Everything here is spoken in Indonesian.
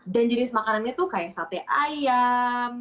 dan jenis makanan itu kayak sate ayam